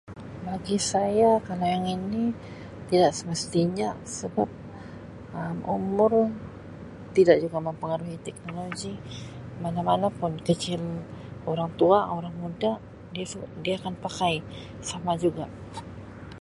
Bagi saya kalau yang ini tidak semestinya sebab Um umur tidak juga mempengaruhi teknologi mana- mana pun kajian orang tua orang muda [unintelligible] dia akan pakai sama juga.